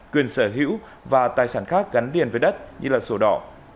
quyền sở hữu và tài sản khác gắn liền với đất như sổ đỏ